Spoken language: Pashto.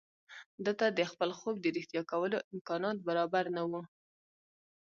ده ته د خپل خوب د رښتيا کولو امکانات برابر نه وو.